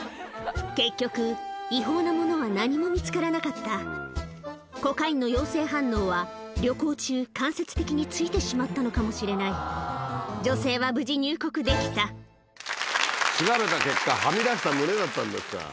結局違法なものは何も見つからなかったコカインの陽性反応は旅行中間接的に付いてしまったのかもしれない女性は無事入国できた調べた結果はみ出した胸だったんですか。